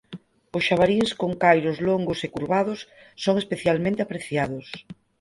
Os xabaríns con cairos longos e curvados son especialmente apreciados.